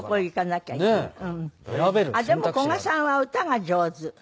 でもこがさんは歌が上手。